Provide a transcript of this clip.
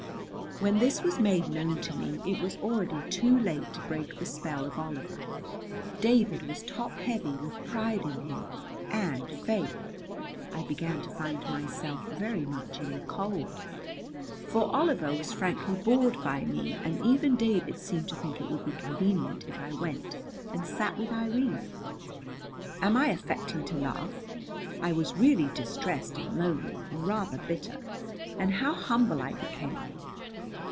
When this was made known to me it was already too late to break the spell of Oliver, David was top heavy with pride in him, and, faith, I began to find myself very much in the cold, for Oliver was frankly bored by me and even David seemed to think it would be convenient if I went and sat with Irene. Am I affecting to laugh? I was really distressed and lonely, and rather bitter; and how humble I became.